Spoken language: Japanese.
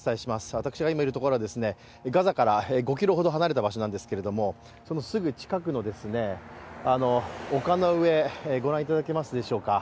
私が今いるところはガザから５ｋｍほど離れた場所なんですがそのすぐ近くの丘の上、ご覧いただけますでしょうか。